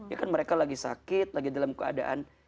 ya kan mereka lagi sakit lagi dalam keadaan